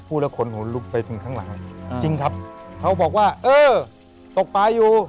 ขนหัวลุกไปถึงข้างหลังจริงครับเขาบอกว่าเออตกปลาอยู่